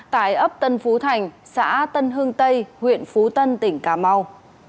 tại ấp tân phú thành xã tân hưng tây huyện phú tân tỉnh cà mau